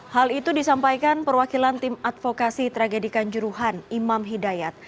hal itu disampaikan perwakilan tim advokasi tragedi kanjuruhan imam hidayat